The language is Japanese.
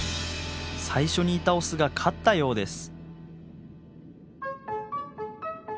最初にいたオスが勝ったようです。